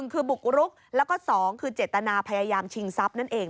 คือบุกรุกแล้วก็๒คือเจตนาพยายามชิงทรัพย์นั่นเอง